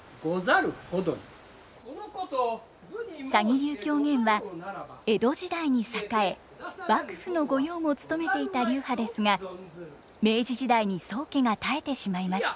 鷺流狂言は江戸時代に栄え幕府の御用も務めていた流派ですが明治時代に宗家が絶えてしまいました。